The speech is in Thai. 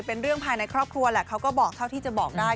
เป็นเรื่องภายในครอบครัวแหละเขาก็บอกเท่าที่จะบอกได้